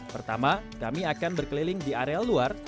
pertama kami akan berkeliling di area luar